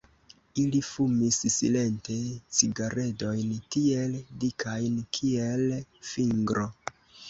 Ili fumis silente cigaredojn tiel dikajn, kiel fingro.